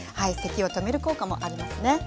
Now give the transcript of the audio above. せきを止める効果もありますね。